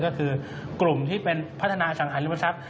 ก็คือกลุ่มที่เป็นพัฒนาสังหาริมทรัพย